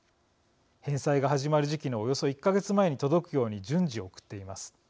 返済が始まる時期のおよそ１か月前に届くように順次送っています。